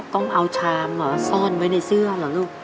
ต้องเอาชามซ่อนไว้ในเสื้อเหรอลูก